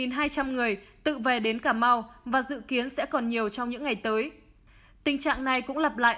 tình về đến cà mau và dự kiến sẽ còn nhiều trong những ngày tới tình trạng này cũng lặp lại